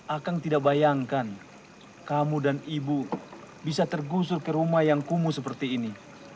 akan tidak bayangkan kamu dan ibu bisa tergusur ke rumah yang kumuh seperti ini